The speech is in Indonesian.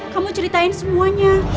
kamu ceritain semuanya